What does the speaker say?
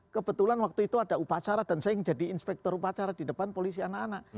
kebetulan waktu itu ada upacara dan saya yang jadi inspektor upacara di depan polisi anak anak